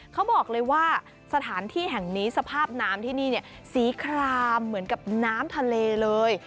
เขาบอกเลยว่าสถานที่แห่งนี้สภาพน้ำที่นี่เนี่ยสีคลามเหมือนกับน้ำทะเลเลย